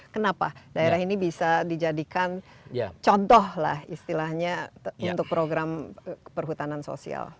kenapa daerah ini bisa dijadikan contoh lah istilahnya untuk program perhutanan sosial